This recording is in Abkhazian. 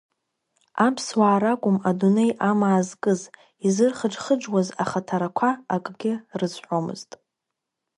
Аԥсуаа ракәым адунеи амаа зкыз, изырхыџхыџуаз ахаҭарақәа акгьы рызҳәомызт.